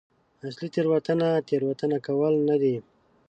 اصلي تېروتنه تېروتنه کول نه دي.